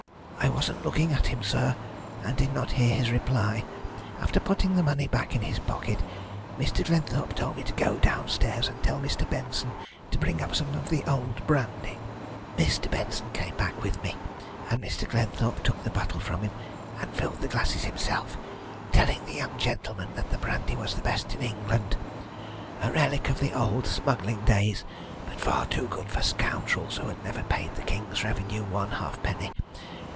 "I wasn't looking at him, sir, and did not hear his reply. After putting the money back in his pocket, Mr. Glenthorpe told me to go downstairs and tell Mr. Benson to bring up some of the old brandy. Mr. Benson came back with me, and Mr. Glenthorpe took the bottle from him and filled the glasses himself, telling the young gentleman that the brandy was the best in England, a relic of the old smuggling days, but far too good for scoundrels who had never paid the King's revenue one half penny.